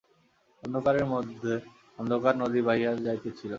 অন্ধকারের মধ্যে অন্ধকার নদী বহিয়া যাইতেছিল।